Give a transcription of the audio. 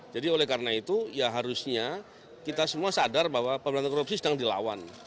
jadi oleh karena itu ya harusnya kita semua sadar bahwa pemberantasan korupsi sedang dilawan